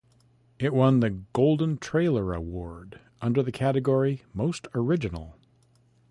It won the Golden Trailer Award under the category Most Original.